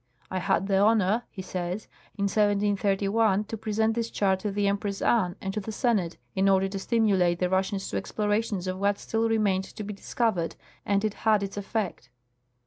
' I had the honor,' he says, ' in 1731 to present this chart to the Empress Anne and to the Senate, in order to stimulate the Eussians to explorations of what still remained to be dis covered, and it had its effect.'